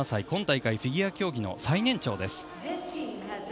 今大会フィギュア競技の最年長です。